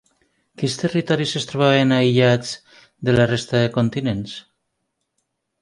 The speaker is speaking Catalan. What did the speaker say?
Quins territoris es trobaven aïllats de la resta de continents?